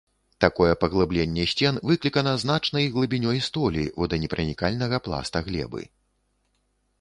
Такое паглыбленне сцен выклікана значнай глыбінёй столі воданепранікальнага пласта глебы.